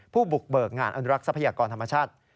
ผู้บุกเบิกงานอนุรักษ์ทรัพยากรธรรมชาติ